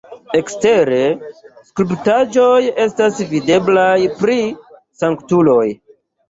Ekstere skulptaĵoj estas videblaj pri sanktuloj.